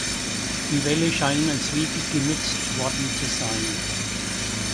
Die Wälle scheinen als Wege genutzt worden zu sein.